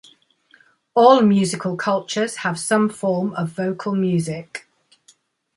All musical cultures have some form of vocal music.